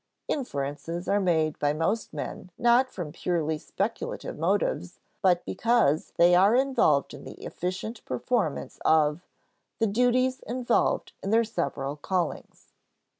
Inferences are made by most men not from purely speculative motives, but because they are involved in the efficient performance of "the duties involved in their several callings."